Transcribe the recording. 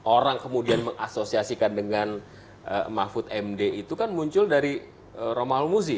orang kemudian mengasosiasikan dengan mahfud md itu kan muncul dari romal muzi